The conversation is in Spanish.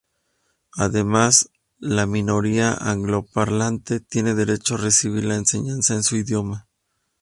Además, la minoría angloparlante tiene derecho a recibir la enseñanza en su idioma.